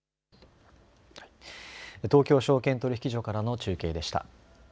東京証券取引所からの中継でした。